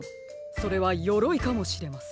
それはよろいかもしれません。